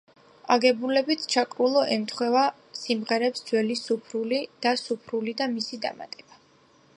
აგებულებით ჩაკრულო ემთხვევა სიმღერებს „ძველი სუფრული“ და „სუფრული და მისი დამატება“.